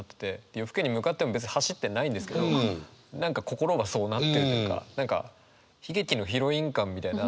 で「夜更けに向かって」も別に走ってないんですけど何か心がそうなってるというか何か悲劇のヒロイン感みたいな。